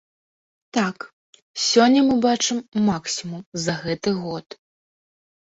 Так, сёння мы бачым максімум за гэты год.